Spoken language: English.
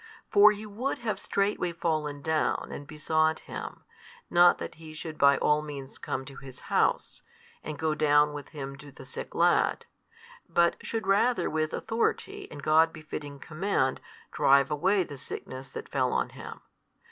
For he would have straightway fallen down and besought Him, not that he should by all means come to his house, and go down with him to the sick lad; but should rather with authority and God befitting command drive away the sickness that fell on him.